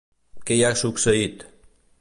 Què hi ha succeït?